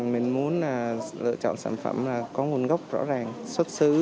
mình muốn lựa chọn sản phẩm có nguồn gốc rõ ràng xuất xứ